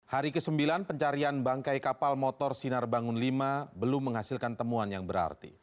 hari ke sembilan pencarian bangkai kapal motor sinar bangun v belum menghasilkan temuan yang berarti